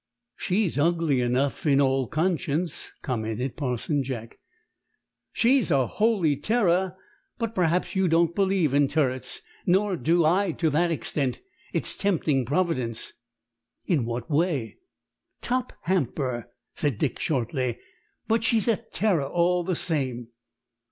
"She's ugly enough, in all conscience," commented Parson Jack. "She's a holy terror. But perhaps you don't believe in turrets. Nor do I, to that extent. It's tempting Providence." "In what way?" "Top hamper," said Dick shortly. "But she's a terror all the same."